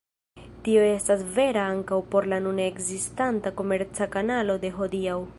Tio estas vera ankaŭ por la nune ekzistanta komerca kanalo de hodiaŭ.